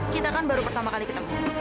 kita kan baru pertama kali ketemu